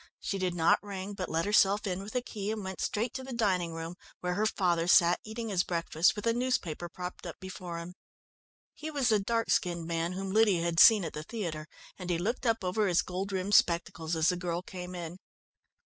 She did not ring, but let herself in with a key and went straight to the dining room, where her father sat eating his breakfast, with a newspaper propped up before him. He was the dark skinned man whom Lydia had seen at the theatre, and he looked up over his gold rimmed spectacles as the girl came in.